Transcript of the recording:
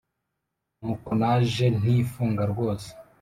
nuko naje ntifunga rwose